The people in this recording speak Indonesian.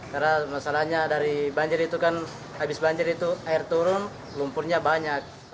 karena masalahnya dari banjir itu kan habis banjir itu air turun lumpurnya banyak